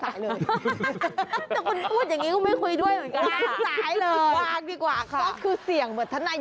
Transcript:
ท่านมีเสียงคนเอกลักษณ์จริง